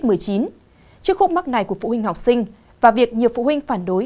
trước khúc mắc này của phụ huynh học sinh và việc nhiều phụ huynh phản đối